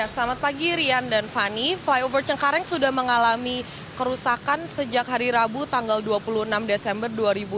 selamat pagi rian dan fani flyover cengkareng sudah mengalami kerusakan sejak hari rabu tanggal dua puluh enam desember dua ribu dua puluh